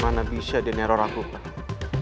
mana bisa di neror aku pak